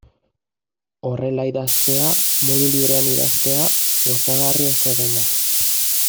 Horrela idaztea, modu librean idaztea, gozagarria izaten da.